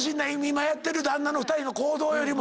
今やってる旦那の行動よりも。